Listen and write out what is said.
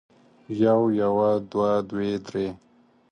يو يوه دوه دوې درې